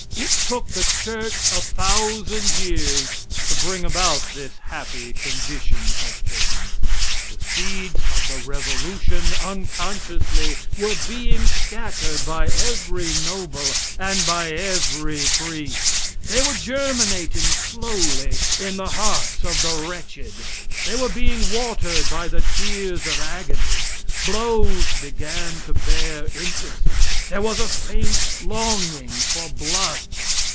It took the church a thousand years to bring about this happy condition of things. The seeds of the revolution unconsciously were being scattered by every noble and by every priest. They were germinating slowly in the hearts of the wretched; they were being watered by the tears of agony; blows began to bear interest. There was a faint longing for blood.